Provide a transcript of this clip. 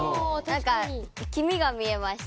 なんか黄身が見えました。